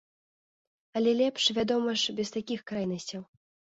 Але лепш, вядома ж, без такіх крайнасцяў.